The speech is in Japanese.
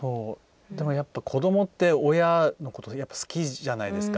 でも子どもって親のこと好きじゃないですか。